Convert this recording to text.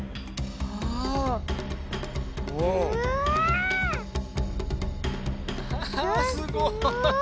わあすごい。